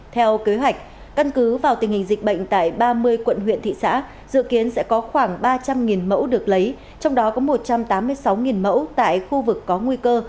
theo kế hoạch căn cứ vào tình hình dịch bệnh tại ba mươi quận huyện thị xã dự kiến sẽ có khoảng ba trăm linh mẫu được lấy trong đó có một trăm tám mươi sáu mẫu tại khu vực có nguy cơ